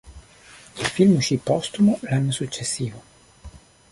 Il film uscì postumo l'anno successivo.